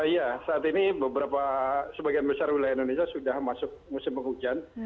ya saat ini sebagian besar wilayah indonesia sudah masuk musim hujan